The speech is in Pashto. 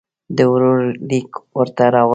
د ورور لیک ورته را ورسېدی.